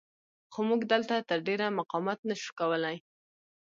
خو موږ دلته تر ډېره مقاومت نه شو کولی.